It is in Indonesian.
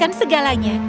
kau paham segalanya